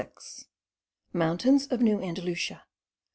MOUNTAINS OF NEW ANDALUCIA.